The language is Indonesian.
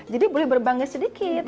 jadi boleh berbangga sedikit